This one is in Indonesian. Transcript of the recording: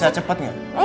bisa cepet gak